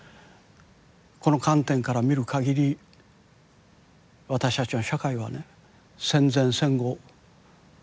この観点から見る限り私たちの社会はね戦前戦後変わっていない。